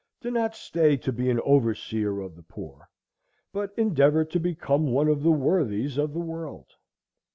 Do not stay to be an overseer of the poor, but endeavor to become one of the worthies of the world.